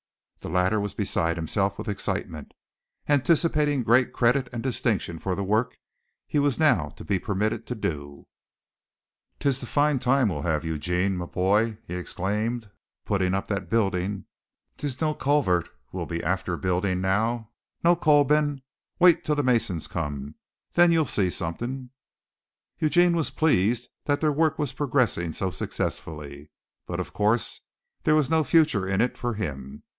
The latter was beside himself with excitement, anticipating great credit and distinction for the work he was now to be permitted to do. "'Tis the foine time we'll have, Eugene, me bye," he exclaimed, "puttin' up that buildin'. 'Tis no culvert we'll be afther buildin' now. Nor no coal bin. Wait till the masons come. Then ye'll see somethin'." Eugene was pleased that their work was progressing so successfully, but of course there was no future in it for him.